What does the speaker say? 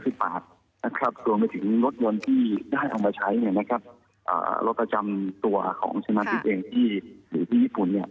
ส่วนไปถึงรถยนต์ที่ได้เอามาใช้รถจำตัวของชนัดพิษที่อยู่ที่ญี่ปุ่น